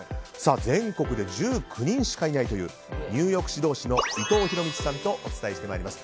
全国で１９人しかいないという入浴指導士の伊藤博通さんとお伝えしてまいります。